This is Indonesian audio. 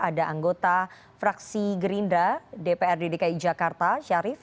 ada anggota fraksi gerindra dpr dki jakarta syarif